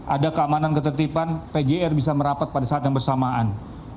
ada keamanan ketertiban pgr bisa merapat pada saat yang bersamaan